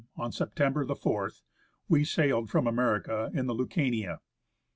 on September the 4th, we sailed from America in the LiLcania.